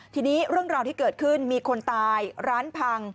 ทีนี้เรื่องราวที่เกิดขึ้นมีคนตายร้านพัง